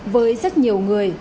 với rất nhiều người